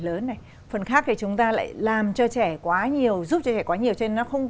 lớn này phần khác thì chúng ta lại làm cho trẻ quá nhiều giúp cho trẻ quá nhiều cho nên nó không